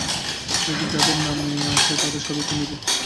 নাকি যাদের নাম আছে তাদের সবাইকেই নিবে?